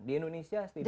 di indonesia setidaknya